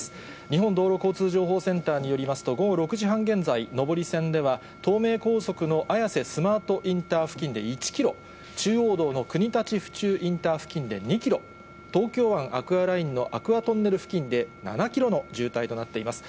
日本道路交通情報センターによりますと、午後６時半現在、上り線では、東名高速の綾瀬スマートインター付近で１キロ、中央道の国立府中インター付近で２キロ、東京湾アクアラインのアクアトンネル付近で７キロの渋滞となっています。